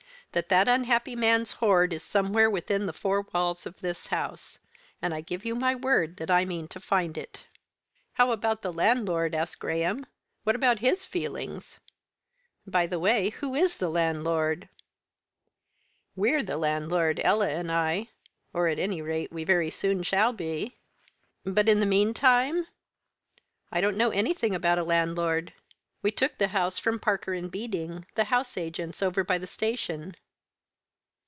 that that unhappy man's hoard is somewhere within the four walls of this house, and I give you my word that I mean to find it." "How about the landlord?" asked Graham. "What about his feelings? By the way, who is the landlord?" "We're the landlord, Ella and I or, at any rate, we very soon shall be." "But in the meantime?" "I don't know anything about a landlord. We took the house from Parker and Beading, the house agents over by the station."